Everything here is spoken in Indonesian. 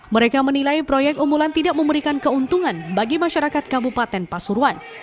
mereka menilai proyek umbulan tidak memberikan keuntungan bagi masyarakat kabupaten pasuruan